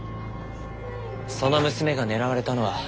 その娘が狙われたのは。